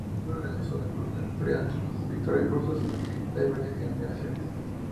La película gozó de enorme popularidad entre los espectadores rusos de varias generaciones.